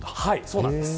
そうなんです。